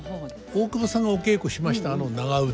大久保さんがお稽古しましたあの長唄